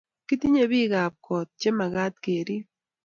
Kitinye bikaap koot chemagaat keriip